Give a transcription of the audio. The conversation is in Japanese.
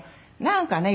なんかね